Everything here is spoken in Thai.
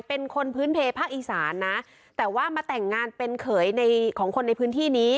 เป็นคนพื้นเพลภาคอีสานนะแต่ว่ามาแต่งงานเป็นเขยในของคนในพื้นที่นี้